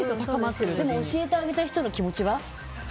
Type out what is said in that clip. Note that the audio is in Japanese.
でも、教えてあげた人の気持ちは？